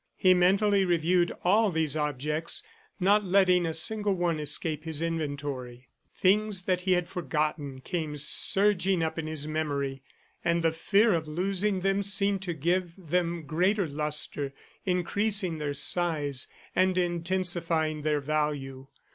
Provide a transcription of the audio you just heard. He mentally reviewed all of these objects, not letting a single one escape his inventory. Things that he had forgotten came surging up in his memory, and the fear of losing them seemed to give them greater lustre, increasing their size, and intensifying their value.